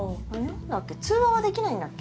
通話はできないんだっけ？